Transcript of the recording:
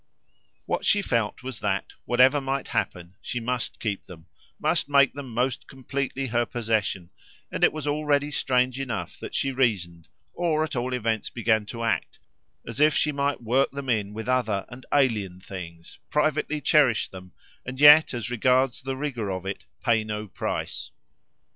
What she felt was that, whatever might happen, she must keep them, must make them most completely her possession; and it was already strange enough that she reasoned, or at all events began to act, as if she might work them in with other and alien things, privately cherish them and yet, as regards the rigour of it, pay no price.